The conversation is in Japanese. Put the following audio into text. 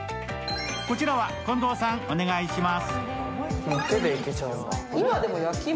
こちらは近藤さん、お願いします。